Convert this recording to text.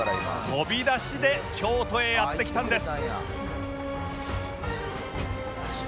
飛び出しで京都へやって来たんです